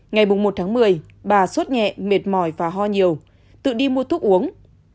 ngày một tháng một mươi bà sốt nhẹ mệt mỏi và ho nhiều tự đi mua thuốc uống